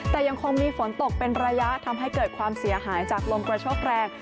แต่ยังคงมีฝนตกเป็นระยะทำให้เกิดความเสียหายจากลมกระโชคแรง